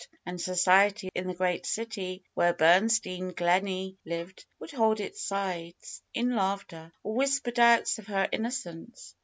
And society in the great city where Bernstein Gleney lived would hold its sides in laughter, or whisper doubts of her innocence.